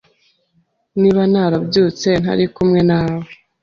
Niba narabyutse ntari kumwe nawe